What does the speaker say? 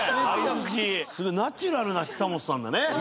ナチュラルな久本さんだね。